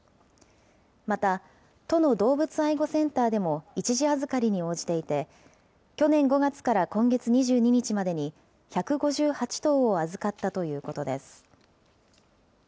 また、都の動物愛護センターでも一時預かりに応じていて、去年５月から今月２２日までに、１５８頭を預かったということです。